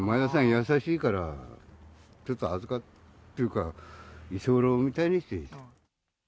優しいから、ちょっと預かってというか、居候みたいにしていた。